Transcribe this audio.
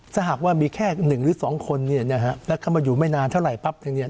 สหับว่ามีแค่หนึ่งหรือสองคนเนี่ยนะฮะแล้วก็มาอยู่ไม่นานเท่าไหร่ปั๊บนึงเนี่ย